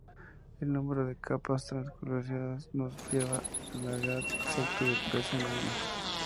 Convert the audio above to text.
El número de capas translúcidas nos da la edad exacta del pez en años.